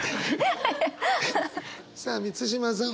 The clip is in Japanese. さあ満島さん